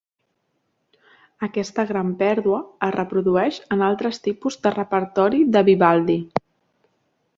Aquesta gran pèrdua es reprodueix en altres tipus de repertori de Vivaldi.